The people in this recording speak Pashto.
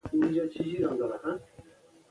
امنیت د پانګونې لومړنی شرط دی.